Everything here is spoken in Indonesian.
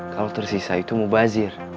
kalau tersisa itu mubazir